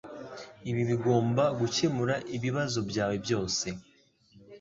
Ibi bigomba gukemura ibibazo byawe byose.